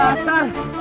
kau kaget banget